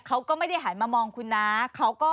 เขาก็ไม่ได้หายมามองคุณน้าเขาก็